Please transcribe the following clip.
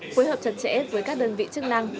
phối hợp chặt chẽ với các đơn vị chức năng